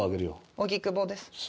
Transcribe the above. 荻窪です。